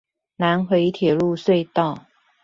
南迴鐵路隧道